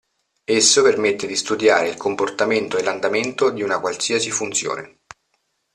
Esso permette di studiare il comportamento e l'andamento di una qualsiasi funzione.